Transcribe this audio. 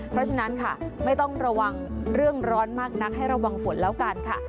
เพราะฉะนั้นค่ะไม่ต้องระวังเรื่องร้อนมากนักให้ระวังฝนแล้วกันค่ะ